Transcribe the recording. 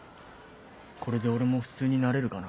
これで俺も普通になれるかな？